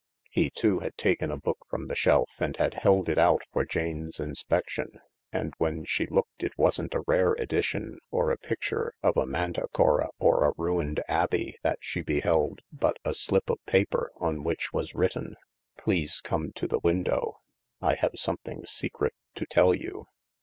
He too had taken a book from the shelf, and had held it out for Jane's inspection. And when she looked it wasn't a rare edition or a picture of a manticora or a ruined abbey that she beheld, but a slip of paper on which was written, " Please come to the window. I have something secret to tell you."